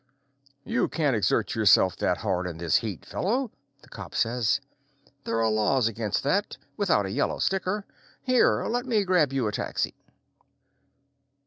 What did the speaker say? "You can't exert yourself that hard in this heat, fellow," the cop says. "There are laws against that, without a yellow sticker. Here, let me grab you a taxi."